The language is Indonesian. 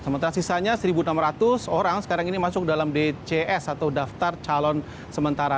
sementara sisanya satu enam ratus orang sekarang ini masuk dalam dcs atau daftar calon sementara